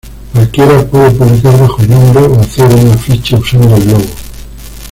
Cualquiera puede publicar bajo el nombre o hacer un afiche usando el logo.